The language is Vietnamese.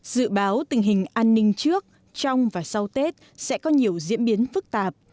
dự báo tình hình an ninh trước trong và sau tết sẽ có nhiều diễn biến phức tạp